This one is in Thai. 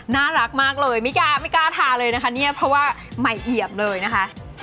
น่ารักมากเลยไม่กล้าทานเลยนะคะเนี่ยเพราะว่าใหม่เอียบเลยนะคะ